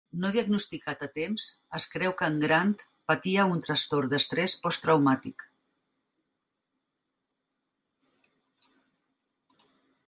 No diagnosticat a temps, es creu que en Grant patia un trastorn d'estrès posttraumàtic.